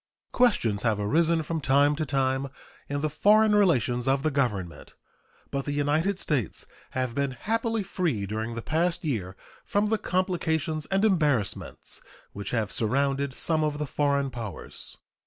Questions have arisen from time to time in the foreign relations of the Government, but the United States have been happily free during the past year from the complications and embarrassments which have surrounded some of the foreign powers.